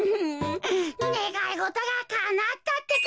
ねがいごとがかなったってか！